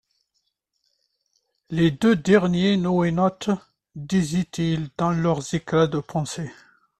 Les deux derniers NoéNautes, disaient-ils dans leurs éclats de pensées.